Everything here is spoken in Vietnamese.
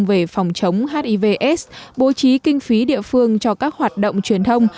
về phòng chống hivs bố trí kinh phí địa phương cho các hoạt động truyền thông